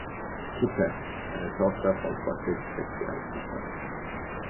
Kippe", einer Tochter von Gottlieb Christian Kippe.